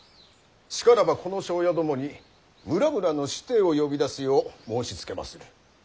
しからばこの庄屋どもに村々の子弟を呼び出すよう申しつけまする。